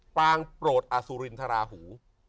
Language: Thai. ปางโปรดอสุรินทราหู